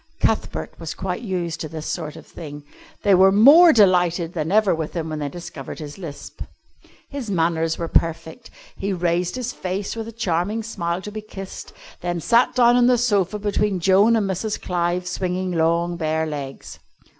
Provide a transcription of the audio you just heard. Cuthbert was quite used to this sort of thing. They were more delighted than ever with him when they discovered his lisp. His manners were perfect. He raised his face, with a charming smile, to be kissed, then sat down on the sofa between Joan and Mrs. Clive, swinging long bare legs.